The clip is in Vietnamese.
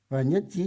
và nhất trí cao